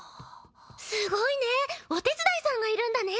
すごいねお手伝いさんがいるんだね。